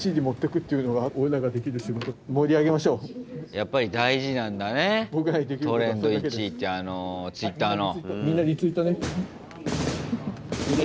やっぱり大事なんだねトレンド１位っていうあのツイッターの。